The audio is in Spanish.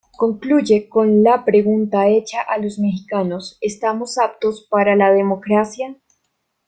Concluye con la pregunta hecha a los mexicanos: ¿estamos aptos para la democracia?